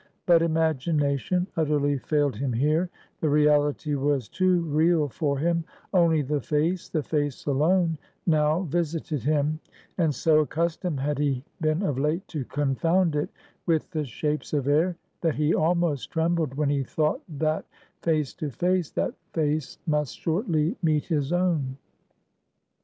But imagination utterly failed him here; the reality was too real for him; only the face, the face alone now visited him; and so accustomed had he been of late to confound it with the shapes of air, that he almost trembled when he thought that face to face, that face must shortly meet his own.